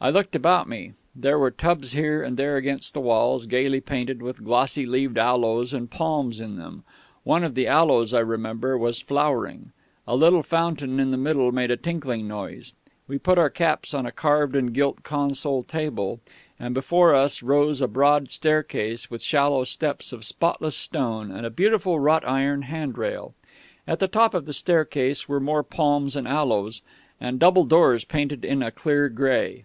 "I looked about me. There were tubs here and there against the walls, gaily painted, with glossy leaved aloes and palms in them one of the aloes, I remember, was flowering; a little fountain in the middle made a tinkling noise; we put our caps on a carved and gilt console table; and before us rose a broad staircase with shallow steps of spotless stone and a beautiful wrought iron handrail. At the top of the staircase were more palms and aloes, and double doors painted in a clear grey.